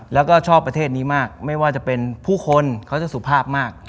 แล้วก็ชอบประเทศนี้มากไม่ว่าจะเป็นผู้คนเขาจะสุภาพมาก